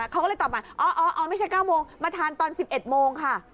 เขาก็เลยตอบมาอ๋อไม่ใช่๙โมงมาทานตอน๑๑โมงค่ะ